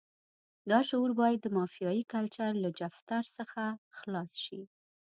دا شعور باید د مافیایي کلچر له جفتر څخه خلاص شي.